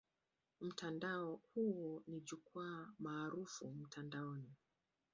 Mtandao huo ni jukwaa maarufu mtandaoni.